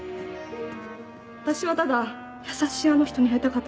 私はただ優しいあの人に会いたか